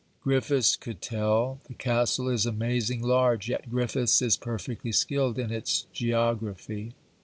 Griffiths could tell. The castle is amazing large, yet Griffiths is perfectly skilled in its geography.